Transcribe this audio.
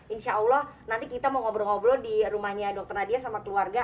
insya allah nanti kita mau ngobrol ngobrol di rumahnya dr nadia sama keluarga